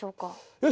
よし。